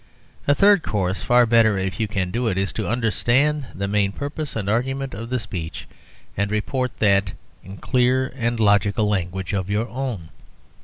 A third course, far better if you can do it, is to understand the main purpose and argument of the speech, and report that in clear and logical language of your own.